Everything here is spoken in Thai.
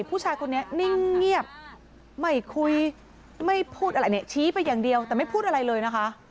ผู้ชายคนนี้นิ่งเงียบไม่คุยไม่พูดอะไรเนี่ยชี้ไปอย่างเดียวแต่ไม่พูดอะไรเลยนะคะ